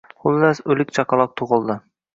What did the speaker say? Xullas, o`lik chaqaloq tug`ildi